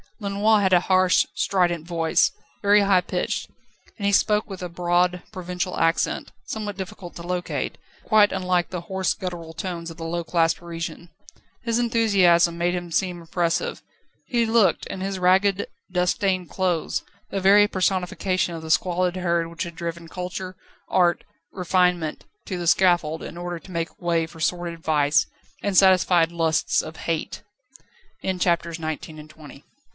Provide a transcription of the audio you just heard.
Lenoir had a harsh, strident voice, very high pitched, and he spoke with a broad, provincial accent, somewhat difficult to locate, but quite unlike the hoarse, guttural tones of the low class Parisian. His enthusiasm made him seem impressive. He looked, in his ragged, dust stained clothes, the very personification of the squalid herd which had driven culture, art, refinement to the scaffold in order to make way for sordid vice, and satisf